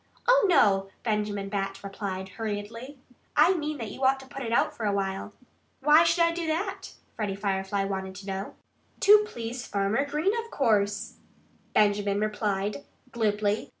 "Oh, no!" Benjamin Bat replied hurriedly. "I mean that you ought to put it out for a while." "Why should I do that?" Freddie Firefly wanted to know. "To please Farmer Green, of course," Benjamin replied glibly.